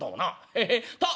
ヘヘッ！